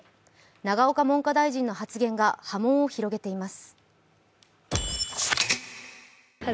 永岡文科大臣の発言が波紋を広げています。